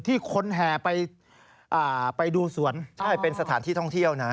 ที่คนแห่ไปดูสวนใช่เป็นสถานที่ท่องเที่ยวนะ